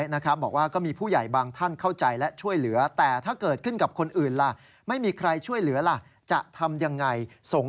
น้องเติมเต็มได้กลับมากับแม่มั้ย